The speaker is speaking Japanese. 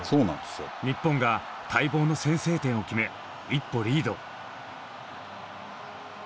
日本が待望の先制点を決め一歩リード。